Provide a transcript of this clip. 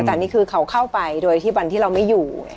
แต่นี่คือเขาเข้าไปโดยที่วันที่เราไม่อยู่